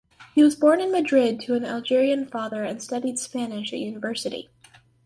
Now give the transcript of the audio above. He was born in Madrid to an Algerian father and studied Spanish at university.